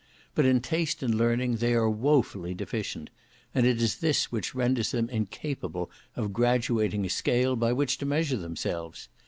But in taste and learning they are woefully deficient; and it is this which renders them incapable of graduating a scale by which to measure themselves.